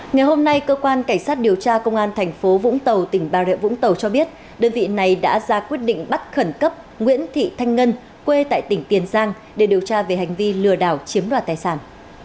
ngày hôm nay cơ quan cảnh sát điều tra công an thành phố vũng tàu tỉnh bà rịa vũng tàu cho biết đơn vị này đã ra quyết định bắt khẩn cấp nguyễn thị thanh ngân quê tại tỉnh tiền giang để điều tra về hành vi lừa đảo chiếm đoạt tài sản